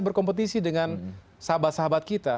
berkompetisi dengan sahabat sahabat kita